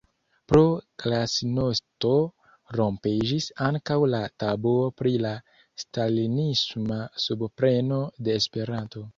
pro “glasnosto” rompiĝis ankaŭ la tabuo pri la stalinisma subpremo de Esperanto.